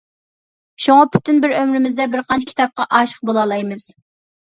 شۇڭا پۈتۈن بىر ئۆمرىمىزدە بىر قانچە كىتابقا ئاشىق بولالايمىز.